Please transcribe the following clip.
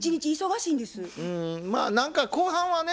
うんまあ何か後半はね